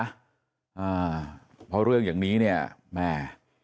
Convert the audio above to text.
อ่าเพราะเรื่องอย่างนี้เนี่ยแม่